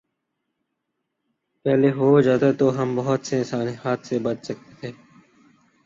پہلے ہو جاتا تو ہم بہت سے سانحات سے بچ سکتے تھے۔